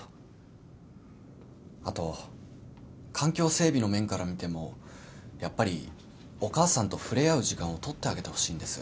あと環境整備の面から見てもやっぱりお母さんと触れ合う時間をとってあげてほしいんです。